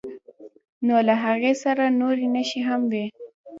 نو له هغې سره نورې نښې هم وي.